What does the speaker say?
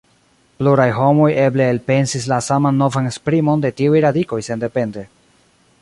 Pluraj homoj eble elpensis la saman novan esprimon de tiuj radikoj sendepende.